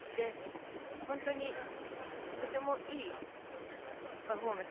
本当にとてもいいパフォーマンス